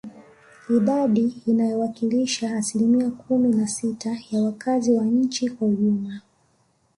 Idadi inayowakilisha asilimia kumi na sita ya wakazi wa nchi kwa ujumla